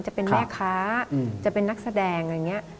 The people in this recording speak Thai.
จะเป็นแม่ค้าจะเป็นนักแสดง